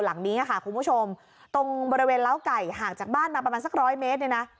หลังนี้ค่ะคุณผู้ชมตรงบริเวณล้าวไก่ห่างจากบ้านมาประมาณสักร้อยเมตรเนี่ยนะ